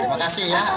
terima kasih ya